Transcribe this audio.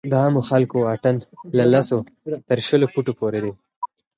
د عامو خلکو واټن له لسو تر شلو فوټو پورې دی.